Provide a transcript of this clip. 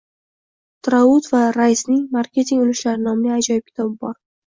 — Traut va Raysning «Marketing urushlari» nomli ajoyib kitobi bor.